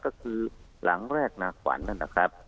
ก็คือหลังแรกนาขวัญนั่นนะครับ